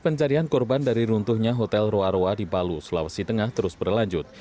pencarian korban dari runtuhnya hotel roa roa di palu sulawesi tengah terus berlanjut